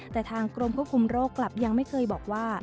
แต่ทางกรมควบคุมโรคกลับยังไม่เคยบอกว่า